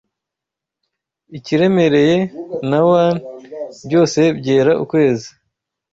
Ikiremereye na wan, byose byera ukwezi